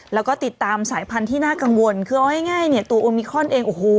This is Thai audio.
แล้วก็ติดตามสายพันธุ์ที่น่ากังวลคือเอาง่ายเนี่ยตัวโอมิคอนเองโอ้โห